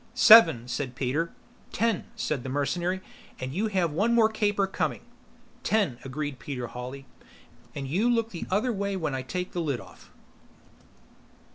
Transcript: "Seven," said Peter. "Ten," said the mercenary, "and you have one more caper coming." "Ten," agreed Peter Hawley, "and you look the other way when I take the lid off."